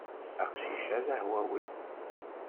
Aqcic-a d ahwawi.